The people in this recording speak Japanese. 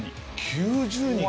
９０人。